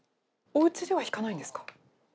おうちでは弾かないんですか？